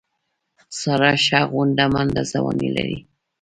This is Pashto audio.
ساره ښه غونډه منډه ځواني لري.